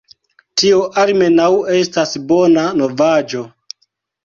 Tio almenaŭ estas bona novaĵo.